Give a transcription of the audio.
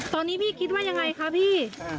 ตอนนี้พี่คิดว่ายังไงคะพี่